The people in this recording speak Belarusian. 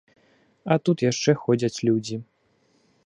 А тут яшчэ ходзяць людзі.